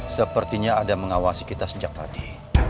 sepertinya ada mengawasi kita sejak tadi